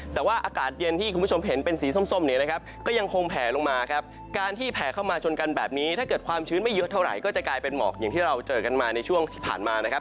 แต่ว่าอากาศเย็นที่คุณผู้ชมเห็นเป็นสีส้มเนี่ยนะครับก็ยังคงแผลลงมาครับการที่แผ่เข้ามาชนกันแบบนี้ถ้าเกิดความชื้นไม่เยอะเท่าไหร่ก็จะกลายเป็นหมอกอย่างที่เราเจอกันมาในช่วงที่ผ่านมานะครับ